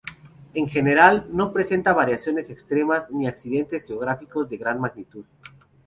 En general, no presenta variaciones extremas, ni accidentes geográficos de gran magnitud.